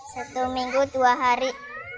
satu minggu dua hari